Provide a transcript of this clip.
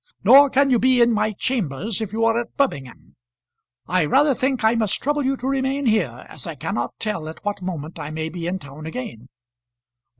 Nor can you be in my chambers if you are at Birmingham. I rather think I must trouble you to remain here, as I cannot tell at what moment I may be in town again."